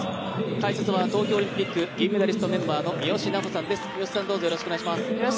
解説は東京オリンピック銀メダリストメンバーの三好南穂さんです。